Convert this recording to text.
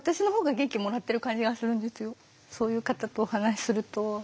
でもそういう方とお話しすると。